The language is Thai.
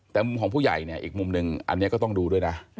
แต่มุมของผู้ใหญ่เนี่ยอีกมุมหนึ่งอันนี้ก็ต้องดูด้วยนะ